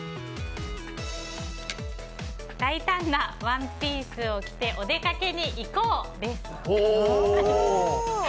「大胆なワンピースを着てお出かけに行こう！」です。